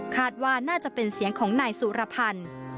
คาดว่าน่าจะเป็นเสียงของนายสุรพันธ์